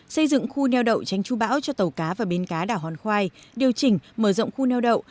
xây dựng khu neo đậu tránh chú bão cho tàu cá và bến cá đảo hòn khoai điều chỉnh mở rộng khu neo đậu